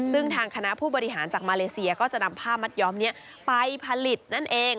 ซึ่งทางคณะผู้บริหารจากมาเลเซียก็จะนำผ้ามัดย้อมนี้ไปผลิตนั่นเอง